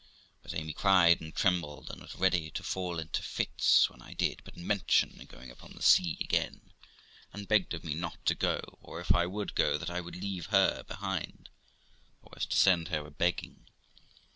But Amy cried and trembled, and was ready to fall into fits, when I did but mention going upon the sea again, and begged of me not to go, or if I would go, that I would leave her behind, though I was to send her a begging.